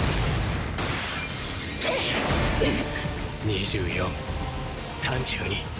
２４３２。